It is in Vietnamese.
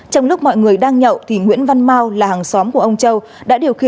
trong lúc mọi người đang nhậu thì nguyễn văn mau là hàng xóm của ông châu